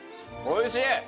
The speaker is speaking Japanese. おいしい！